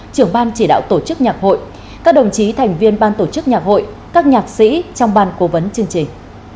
trưởng ban chỉ đạo tổ chức nhạc hội các đồng chí thành viên ban tổ chức nhạc hội các nhạc sĩ trong ban cố vấn chương trình